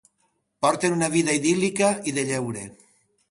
Porten una vida idíl·lica i de lleure.